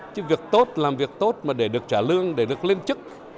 chứ việc tốt làm việc tốt mà để được trả lương để được lên chức